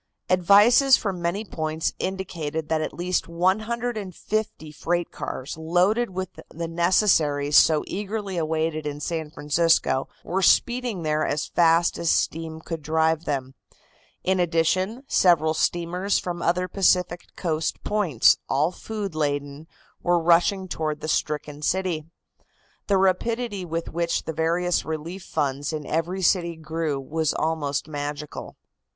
Advices from many points indicated that at least 150 freight cars loaded with the necessaries so eagerly awaited in San Francisco were speeding there as fast as steam could drive them. In addition, several steamers from other Pacific coast points, all food laden, were rushing toward the stricken city. The rapidity with which the various relief funds in every city grew was almost magical.